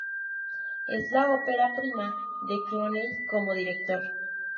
Es la ópera prima de Clooney como director.